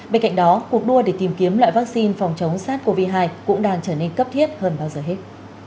bên cạnh đó cuộc đua để tìm kiếm loại vaccine phòng chống sars cov hai cũng đang trở nên cấp thiết hơn bao giờ hết